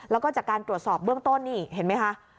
แล้วก็จากการตรวจสอบเบื้องต้นนี่เห็นไหมคะ